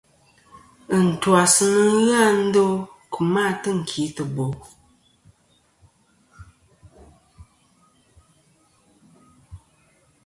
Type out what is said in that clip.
Ɨntwas nɨn ghɨ a ndo kemɨ a tɨnkìtɨbo.